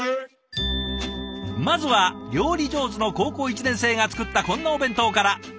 まずは料理上手の高校１年生が作ったこんなお弁当から。